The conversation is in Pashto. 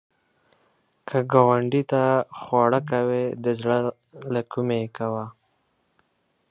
که ګاونډي ته خواړه کوې، د زړه له کومي کوه